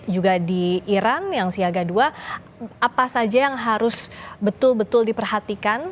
juga di iran yang siaga dua apa saja yang harus betul betul diperhatikan